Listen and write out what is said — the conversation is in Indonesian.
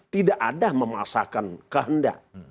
tidak ada memasahkan kehendak